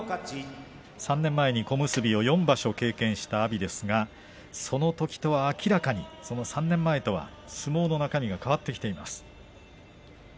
３年前に小結を４場所経験したと阿炎ですがそのときと明らかに相撲の中身が変わってきています。